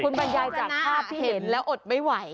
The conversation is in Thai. คุณบรรยายจากภาพที่เห็นแล้วอดไม่ไหว